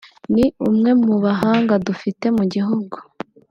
ni umwe mu bahanga dufite mu gihugu